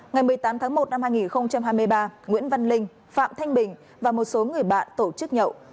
ngày một mươi tám tháng một năm hai nghìn hai mươi ba nguyễn văn linh phạm thanh bình và một số người bạn tổ chức nhậu